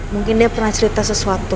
mungkin dia pernah cerita sesuatu